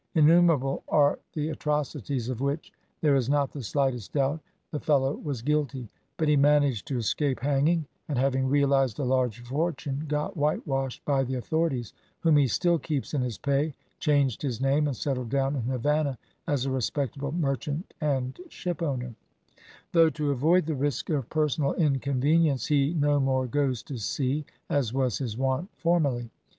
"Innumerable are the atrocities of which, there is not the slightest doubt, the fellow was guilty; but he managed to escape hanging, and having realised a large fortune, got whitewashed by the authorities, whom he still keeps in his pay, changed his name, and settled down in Havannah as a respectable merchant and shipowner; though to avoid the risk of personal inconvenience, he no more goes to sea, as was his wont formerly.